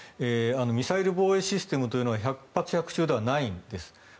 ミサイル防衛システムというのは百発百中ではないんです。